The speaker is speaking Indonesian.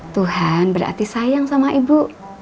tuhan berarti sayang sama ibu